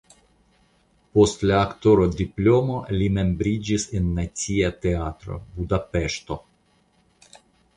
Post la aktora diplomo li membriĝis en Nacia Teatro (Budapeŝto).